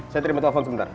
saya terima telepon sebentar